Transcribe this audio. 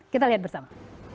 kita lihat bersama